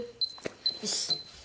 よし。